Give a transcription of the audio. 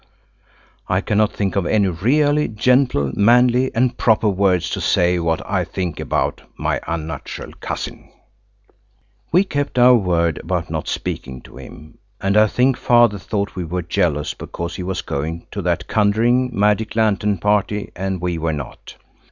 I cannot think of any really gentle, manly, and proper words to say what I think about. my unnatural cousin. We kept our word about not speaking to him, and I think Father thought we were jealous because he was going to that conjuring, magic lantern party and we were not.